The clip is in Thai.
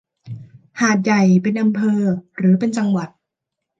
หาดใหญ่เป็นอำเภอหรือเป็นจังหวัด